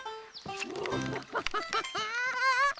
ハハハハハハー！